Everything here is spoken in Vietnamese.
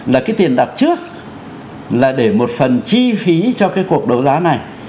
là cái tiền đặt trước là để một phần chi phí cho cái cuộc đấu giá này